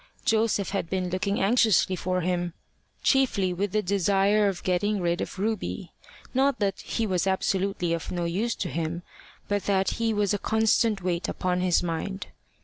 Joseph had been looking anxiously for him, chiefly with the desire of getting rid of Ruby not that he was absolutely of no use to him, but that he was a constant weight upon his mind.